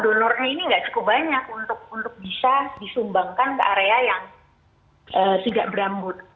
donornya ini nggak cukup banyak untuk bisa disumbangkan ke area yang tidak berambut